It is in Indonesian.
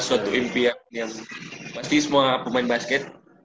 suatu impian yang pasti semua pemain basket